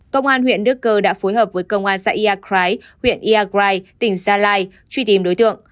công an huyện đức cơ đã phối hợp với công an xã yà crái huyện yà crái tỉnh gia lai truy tìm đối tượng